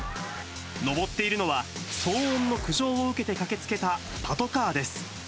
上っているのは、騒音の苦情を受けて駆け付けたパトカーです。